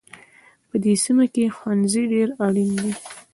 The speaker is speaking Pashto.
په دې سیمه کې ښوونځی ډېر اړین دی